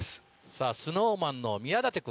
さぁＳｎｏｗＭａｎの宮舘君。